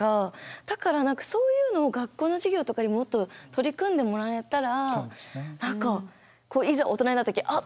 だから何かそういうのを学校の授業とかにもっと取り組んでもらえたら何かいざ大人になった時あっ